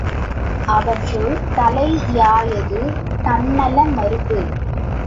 அவற்றுள் தலையாயது தன்னல மறுப்பு.